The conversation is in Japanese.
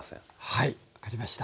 はい分かりました。